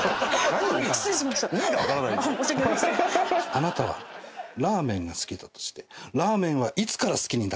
あなたはラーメンが好きだとしてラーメンはいつから好きになったんですか？